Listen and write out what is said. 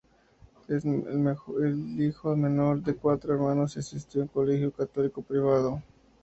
Es el hijo menor de cuatro hermanos y asistió a un colegio católico privado.